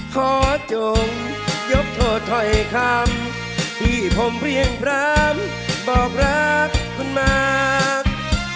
จงยกโทษถอยคำที่ผมเพลี่ยงพร้ำบอกรักคุณมาก